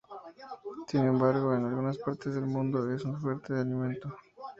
Sin embargo, en algunas partes del mundo es una fuente de alimento.